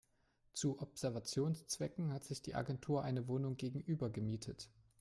Zu Observationszwecken hat sich die Agentur eine Wohnung gegenüber gemietet.